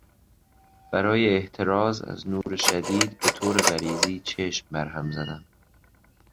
برای احتراز از نور شدید به طور غریزی چشم برهم زدم.